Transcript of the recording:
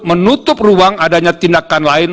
menutup ruang adanya tindakan lain